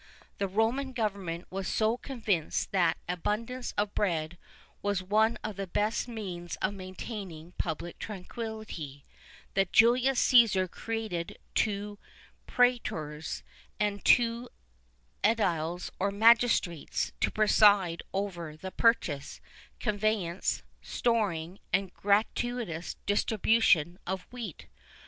[II 27] The Roman government was so convinced that abundance of bread was one of the best means of maintaining public tranquillity,[II 28] that Julius Cæsar created two prætors, and two ediles or magistrates, to preside over the purchase, conveyance, storing, and gratuitous distribution of wheat.